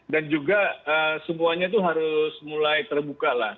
dan juga semuanya itu harus mulai terbuka lah